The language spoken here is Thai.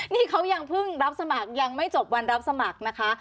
นี่เขายังเพิ่งรับสมัครยังไม่จบวันรับสมัครนะคะ